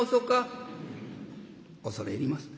「恐れ入ります。